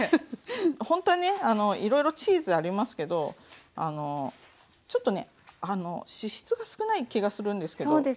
ほんとはねいろいろチーズありますけどちょっとね脂質が少ない気がするんですけど。